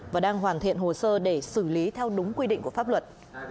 và đang hoàn thiện hồ sơ để xử lý theo đúng quy định của pháp luật